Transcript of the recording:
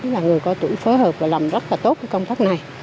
là người có tuổi phối hợp và làm rất là tốt công tác này